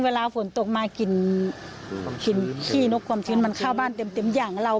เวลาฝนตกมากลิ่นขี้นกความชื้นมันเข้าบ้านเต็มอย่างเรา